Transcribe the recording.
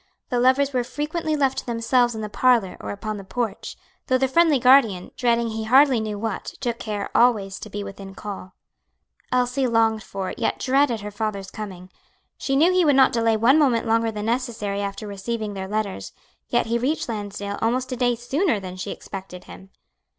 The lovers were frequently left to themselves in the parlor or upon the porch, though the friendly guardian, dreading he hardly knew what, took care always to be within call. Elsie longed for, yet dreaded her father's coming. She knew he would not delay one moment longer than necessary after receiving their letters, yet he reached Lansdale almost a day sooner than she expected him.